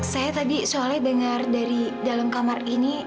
saya tadi soalnya dengar dari dalam kamar ini